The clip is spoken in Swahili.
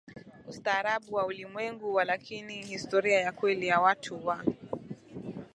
ustaarabu wa ulimwengu Walakini historia ya kweli ya watu wa